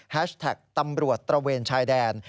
แท็กตำรวจตระเวนชายแดน